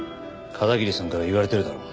片桐さんから言われてるだろ